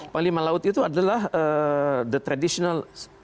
panglima laut itu adalah the traditional